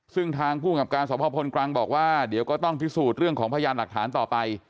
ซึ่งทางภูมิกับการสมภาพพลกรังบอกว่าเดี๋ยวก็ต้องพิสูจน์เรื่องของพยานหลักฐานต่อไป